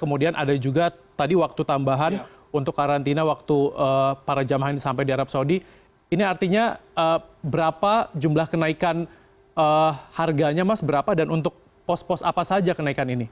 kemudian ada juga tadi waktu tambahan untuk karantina waktu para jamaah ini sampai di arab saudi ini artinya berapa jumlah kenaikan harganya mas berapa dan untuk pos pos apa saja kenaikan ini